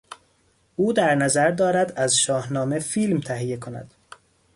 او در نظر دارد از شاهنامه فیلم تهیه کند.